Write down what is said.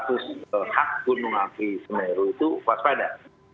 kasus hak gunung api semeru itu waspada